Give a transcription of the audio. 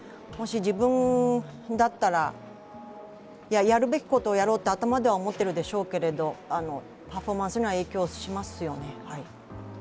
もし自分だったら、やるべきことをやろうと頭では思っているでしょうけれども、パフォーマンスには影響しますよね。